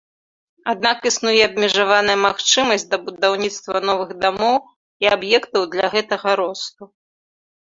Аднак існуе абмежаваная магчымасць да будаўніцтва новых дамоў і аб'ектаў для гэтага росту.